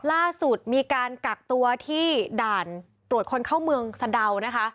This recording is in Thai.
ล่าสุดมีการกักตัวที่ด่านตรวจคนเข้าเมืองสะดาวนะคะ